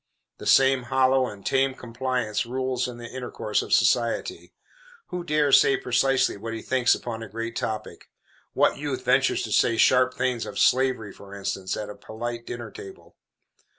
The same hollow and tame complaisance rules in the intercourse of society. Who dares say precisely what he thinks upon a great topic? What youth ventures to say sharp things, of slavery, for instance, at a polite dinner table?